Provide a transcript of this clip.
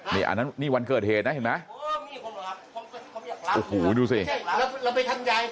นี่วันเกิดเหตุนะเห็นไหมโอ้โหดูสิ